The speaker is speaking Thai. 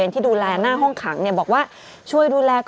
ตรงผมบอกว่า